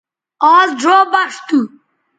آز ڙھو بݜ تھو